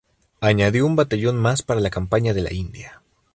Añadió un batallón más para la campaña de la India.